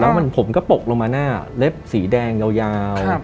แล้วผมก็ตกลงมาหน้าเล็บสีแดงยาว